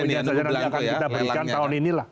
kita berikan tahun inilah